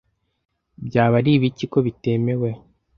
byaba ari ibiki ko bitemewe